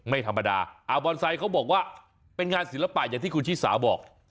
ไม่ธรรมดาอาบอนไซค์เขาบอกว่าเป็นงานศิลปะอย่างที่คุณชิสาบอก